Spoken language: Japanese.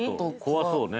怖そうね。